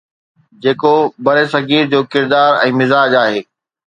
جيڪو برصغير جو ڪردار ۽ مزاج آهي.